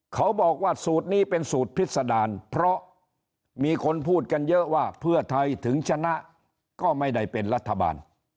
เขาบอกว่าสูตรนี้เป็นสูตรพิษดารเพราะมีคนพูดกันเยอะว่าเพื่อไทยถึงชนะก็ไม่ได้เป็นรัฐบาล